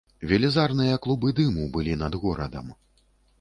Велізарныя клубы дыму былі над горадам.